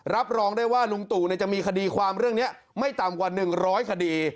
รับรองได้ว่าลุงตู่จะมีคดีความเรื่องนี้ไม่ต่ำกว่า๑๐๐คดี